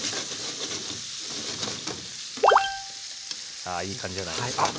あいい感じじゃないですか。